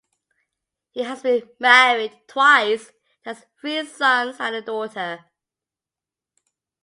He has been married twice and has three sons and a daughter.